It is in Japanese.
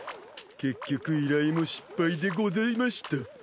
結局依頼も失敗でございました。